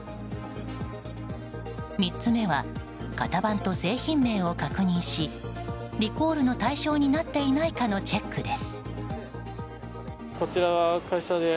３つ目は型番と製品名を確認しリコールの対象になっていないかのチェックです。